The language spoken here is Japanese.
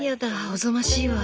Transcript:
おぞましいわ。